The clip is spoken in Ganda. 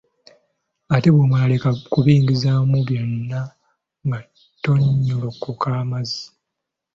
Ate bw‘omala leka kubiyingiza byonna nga bitonyolokoka amazzi.